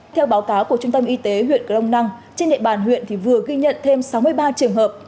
theo báo cáo của trung tâm y tế huyện cửa long năng trên địa bàn huyện vừa ghi nhận thêm sáu mươi ba trường hợp